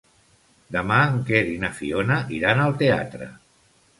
Demà en Quer i na Fiona iran al teatre.